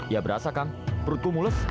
ya berasa kang perutku mulus